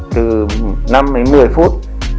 từ năm đến một mươi phút